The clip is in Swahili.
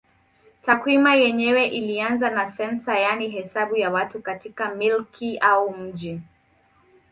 Takwimu yenyewe ilianza na sensa yaani hesabu ya watu katika milki au mji.